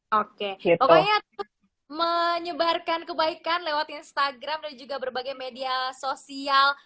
oke pokoknya menyebarkan kebaikan lewat instagram dan juga berbagai media sosial